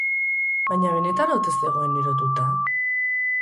Baina benetan ote zegoen erotuta?